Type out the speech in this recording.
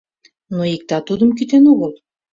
Но иктат тудым кӱтен огыл.